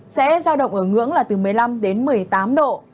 sẽ giao động ở ngưỡng là từ một mươi năm đến một mươi tám độ